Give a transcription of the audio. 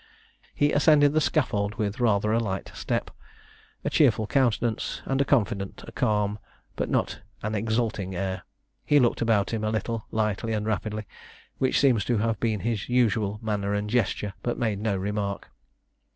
He ascended the scaffold with rather a light step, a cheerful countenance, and a confident, a calm, but not an exulting air. He looked about him a little, lightly and rapidly, which seems to have been his usual manner and gesture, but made no remark.